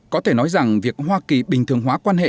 có thể nói rằng việc hoa kỳ bình thường hóa quan hệ